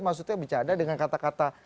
maksudnya bercada dengan kata kata